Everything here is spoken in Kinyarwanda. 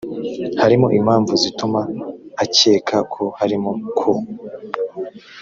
harimo impamvu zituma akeka ko harimo co